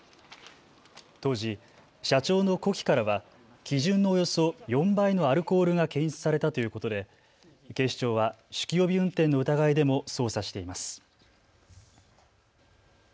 当時、社長の呼気からは基準のおよそ４倍のアルコールが検出されたということで警視庁は酒気帯び運転の疑いでも捜査しています。